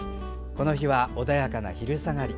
この日は穏やかな昼下がり。